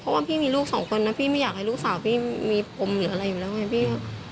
เพราะว่าพี่มีลูกสองคนนะพี่ไม่อยากให้ลูกสาวพี่มีปมหรืออะไรอยู่แล้วไงพี่